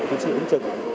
thứ trị ứng trực